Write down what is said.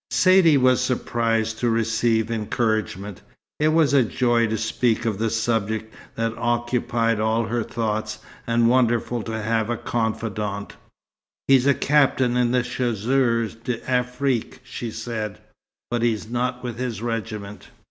Saidee was surprised to receive encouragement. It was a joy to speak of the subject that occupied all her thoughts, and wonderful to have a confidante. "He's a captain in the Chasseurs d'Afrique," she said. "But he's not with his regiment.